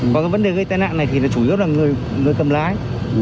còn cái vấn đề gây tài nạn này thì chủ yếu là người cầm lái